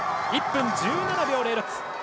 １分１７秒０６。